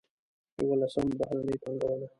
یولسم: بهرنۍ پانګونه.